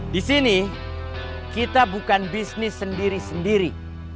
di sini kita bukan bisnis sendiri sendiri